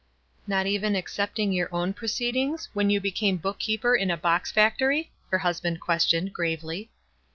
"Not even excepting your own proceedings, when you became book keeper in a box fac tory?" her husband questioned, gravely.